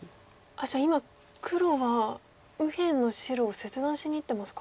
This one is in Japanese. じゃあ今黒は右辺の白を切断しにいってますか。